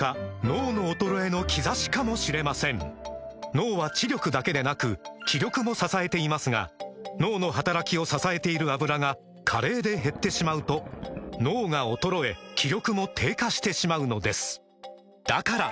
脳の衰えの兆しかもしれません脳は知力だけでなく気力も支えていますが脳の働きを支えている「アブラ」が加齢で減ってしまうと脳が衰え気力も低下してしまうのですだから！